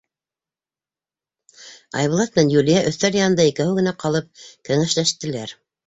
Айбулат менән Юлия өҫтәл янында икәүһе генә ҡалып кәңәшләштеләр.